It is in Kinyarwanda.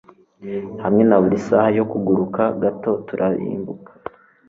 hamwe na buri saha yo kuguruka, gato turarimbuka